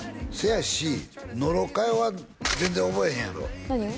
やし野呂佳代は全然覚えへんやろ何を？